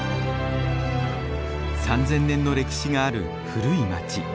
３，０００年の歴史がある古い街。